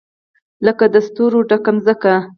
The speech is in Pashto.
لکه د ستورو ډکه مځکه